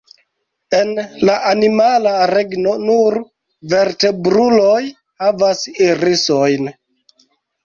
En la animala regno, nur vertebruloj havas irisojn.